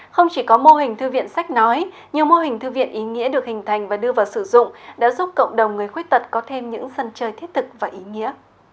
không chỉ có mô hình thư viện sách nói nhiều mô hình thư viện ý nghĩa được hình thành và đưa vào sử dụng đã giúp cộng đồng người khuyết tật có thêm những sân chơi thiết thực và ý nghĩa